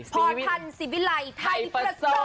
พรพันธ์สิบวิไลไทยพิษศาสตร์